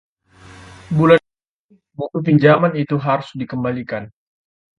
bulan ini buku pinjaman itu harus dikembalikan